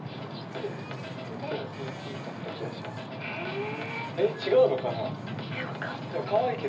えっ違うのかな？